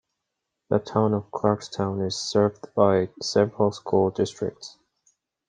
The town of Clarkstown is served by several school districts.